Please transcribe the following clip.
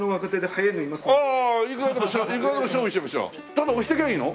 ただ押してきゃいいの？